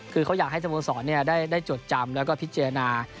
คือเขาอยากให้สโมสรได้จดจำแล้วก็พิจารณา